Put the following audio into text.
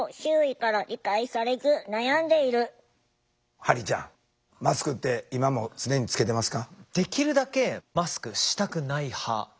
ハリーちゃんマスクって今も常につけてますか？